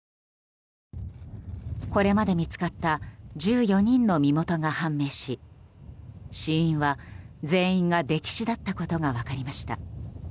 これまで見つかった１４人の身元が判明し死因は、全員が溺死だったことが分かりました。